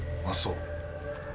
あっそう。